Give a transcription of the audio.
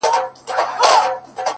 اوس كرۍ ورځ زه شاعري كومه؛